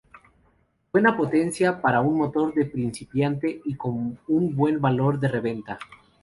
Buena potencia para un motor de principiante y con un buen valor de reventa.